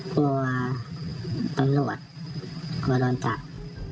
กลัวตำรวจว่าร้อนจักร